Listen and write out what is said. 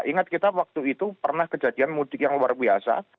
ingat kita waktu itu pernah kejadian mudik yang luar biasa